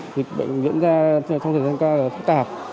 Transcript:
dịch bệnh diễn ra trong thời gian cao là phát tạp